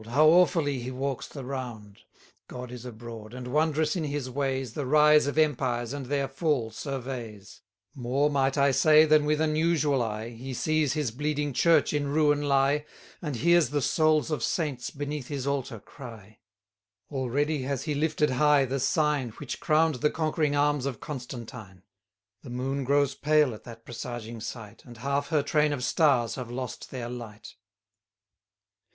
how awfully he walks the round! God is abroad, and, wondrous in his ways, The rise of empires, and their fall surveys; More, might I say, than with an usual eye, He sees his bleeding church in ruin lie, And hears the souls of saints beneath his altar cry. 80 Already has he lifted high the Sign, Which crown'd the conquering arms of Constantine; The Moon grows pale at that presaging sight, And half her train of stars have lost their light.